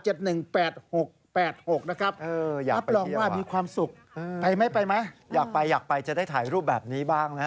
เอออยากไปเที่ยวอ่ะไปไหมอยากไปอยากไปจะได้ถ่ายรูปแบบนี้บ้างนะฮะ